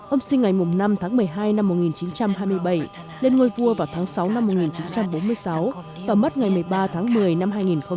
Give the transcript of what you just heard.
ông sinh ngày năm tháng một mươi hai năm một nghìn chín trăm hai mươi bảy lên ngôi vua vào tháng sáu năm một nghìn chín trăm bốn mươi sáu và mất ngày một mươi ba tháng một mươi năm hai nghìn một mươi